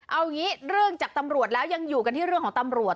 เอางี้เรื่องจากตำรวจแล้วยังอยู่กันที่เรื่องของตำรวจ